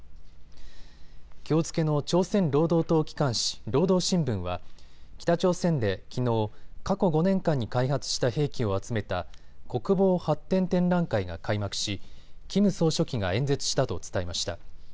きょう付けの朝鮮労働党機関紙労働新聞は北朝鮮できのう、過去５年間に開発した兵器を集めた国防発展展覧会が開幕しキム総書記が演説したと伝えました。